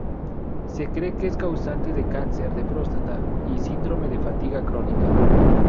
Se cree que es causante de cáncer de próstata y Síndrome de fatiga crónica.